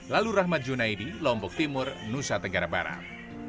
lalu rahmat junaidi lombok timur nusa tenggara barat